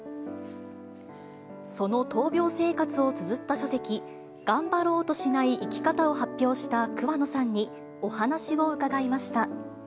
その闘病生活をつづった書籍、がんばろうとしない生き方を発表した桑野さんに、お話を伺いました。